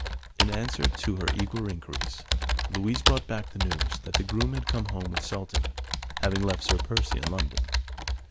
In answer to her eager inquiries, Louise brought back the news that the groom had come home with Sultan, having left Sir Percy in London.